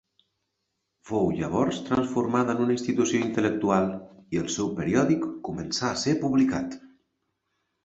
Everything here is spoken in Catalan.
Fou llavors transformada en una institució intel·lectual i el seu periòdic començà a ser publicat.